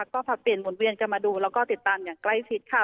ก็ผลัดเปลี่ยนหมุนเวียนกันมาดูแล้วก็ติดตามอย่างใกล้ชิดค่ะ